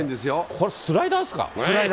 これスライダーですか？